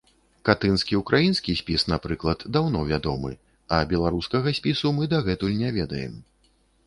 Катынскі ўкраінскі спіс, напрыклад, даўно вядомы, а беларускага спісу мы дагэтуль не ведаем.